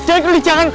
jangan budi jangan